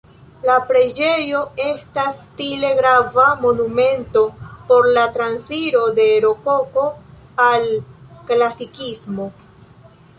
La preĝejo estas stile grava monumento por la transiro de Rokoko al Klasikismo.